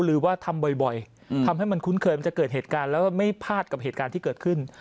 หรือว่าทำบ่อยทำให้มันคุ้นเคยมันจะเกิดเหตุการณ์แล้วไม่พลาดกับเหตุการณ์ที่เกิดขึ้น